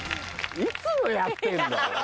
いつのやってんの？